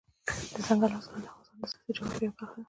دځنګل حاصلات د افغانستان د سیاسي جغرافیې یوه برخه ده.